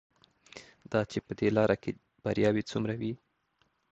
دا چې په دې لاره کې بریاوې څومره وې.